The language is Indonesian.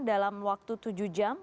dalam waktu tujuh jam